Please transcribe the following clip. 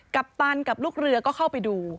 ปตันกับลูกเรือก็เข้าไปดู